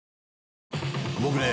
僕ね